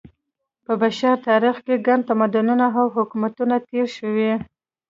په بشر تاریخ کې ګڼ تمدنونه او حکومتونه تېر شوي.